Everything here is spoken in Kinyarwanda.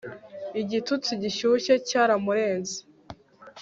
Igitutsi gishyushye cyaramurenze